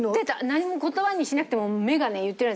何も言葉にしなくても目がね言ってるんです。